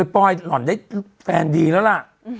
ปลอยหล่อนได้แฟนดีแล้วล่ะ